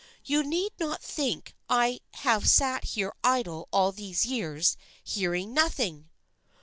You need not think I have sat here idle all these years hearing nothing